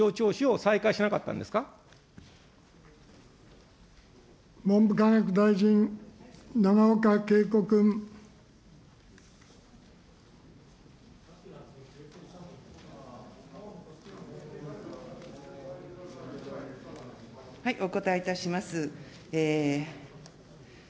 お答えいたします。